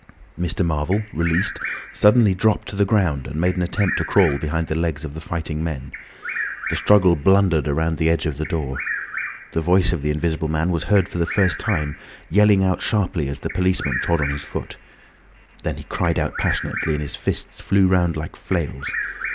Mr. Marvel, released, suddenly dropped to the ground and made an attempt to crawl behind the legs of the fighting men. The struggle blundered round the edge of the door. The voice of the Invisible Man was heard for the first time, yelling out sharply, as the policeman trod on his foot. Then he cried out passionately and his fists flew round like flails.